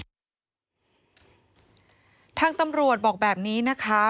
ทางตำรวจบอกแบบนี้นะคะ